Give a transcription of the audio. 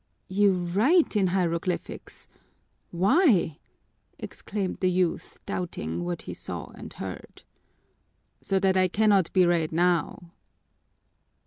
"You write in hieroglyphics! Why?" exclaimed the youth, doubting what he saw and heard. "So that I cannot be read now."